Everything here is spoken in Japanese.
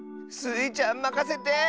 スイちゃんまかせて！